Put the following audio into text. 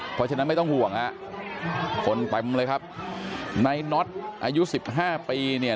เพราะฉะนั้นไม่ต้องห่วงฮะคนเต็มเลยครับในน็อตอายุสิบห้าปีเนี่ย